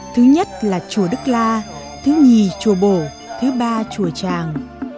thứ nhất là chùa đức la thứ nhì chùa bổ thứ ba chùa tràng